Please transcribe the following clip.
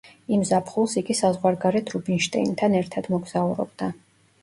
იმ ზაფხულს იგი საზღვარგარეთ რუბინშტეინთან ერთად მოგზაურობდა.